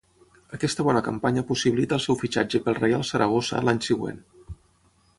Aquesta bona campanya possibilita el seu fitxatge pel Reial Saragossa l'any següent.